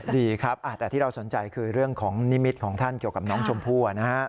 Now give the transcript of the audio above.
ดีครับแต่ที่เราสนใจคือเรื่องของนิมิตของท่านเกี่ยวกับน้องชมพู่นะฮะ